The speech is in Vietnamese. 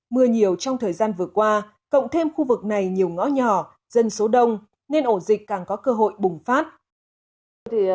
mưa nhiều trong thời gian vừa qua cộng thêm khu vực này nhiều ngõ nhỏ dân số đông nên ổ dịch càng có cơ hội bùng phát